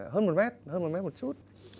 hơn một mét hơn một mét một chút